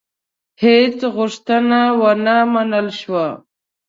هیڅ غوښتنه ونه منل شوه.